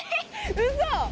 ウソ！